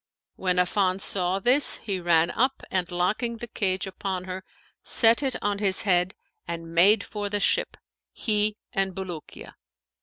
When Affan saw this, he ran up and locking the cage upon her, set it on his head and made for the ship, he and Bulukiya.